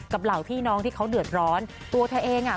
เหล่าพี่น้องที่เขาเดือดร้อนตัวเธอเองอ่ะ